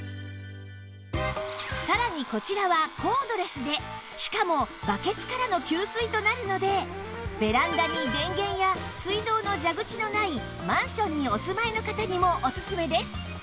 さらにこちらはコードレスでしかもバケツからの給水となるのでベランダに電源や水道の蛇口のないマンションにお住まいの方にもオススメです